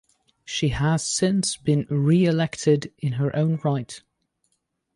She has since been re-elected in her own right.